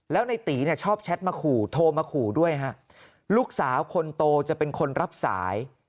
แล้วในตีเนี่ยชอบแชทมาขู่โทรมาขู่ด้วยฮะลูกสาวคนโตจะเป็นคนรับสาย